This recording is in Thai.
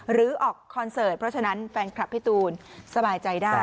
หรือออกคอนเสิร์ตเพราะฉะนั้นแฟนคลับพี่ตูนสบายใจได้